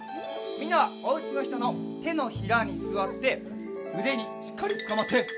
みんなはおうちのひとのてのひらにすわってうでにしっかりつかまって。